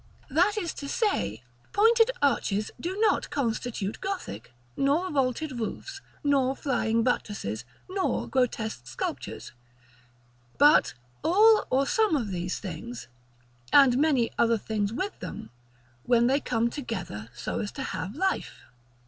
That is to say, pointed arches do not constitute Gothic, nor vaulted roofs, nor flying buttresses, nor grotesque sculptures; but all or some of these things, and many other things with them, when they come together so as to have life.